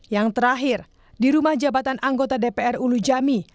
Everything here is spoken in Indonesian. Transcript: yang terakhir di rumah jabatan anggota dpr ulu jami